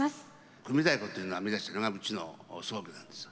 組太鼓っていうのを編み出したのがうちの宗家なんです。